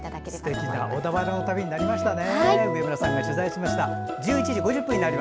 すてきな小田原の旅になりましたね。